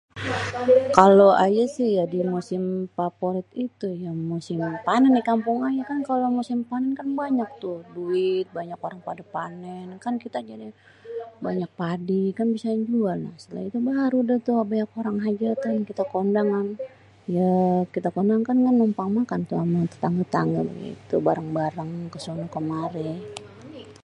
kalo ayê sih yê di musim paporit itu musim panén dikampung mah ya kan kalo dimusim panén banyak kan tuh duit, banyak orang-orang pada panén. kan kita jadi banyak padi kan bisa dijual noh setelah itukan baru orang hajatan kita kondangan. ya kita kondangan kan numpang makan noh ama tetanggê gitu barèng-barèng kesono kêmari.